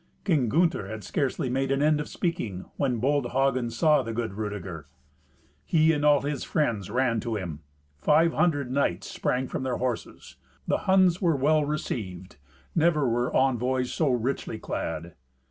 King Gunther had scarcely made an end of speaking, when bold Hagen saw the good Rudeger. He and all his friends ran to him. Five hundred knights sprang from their horses. The Huns were well received; never were envoys so richly clad.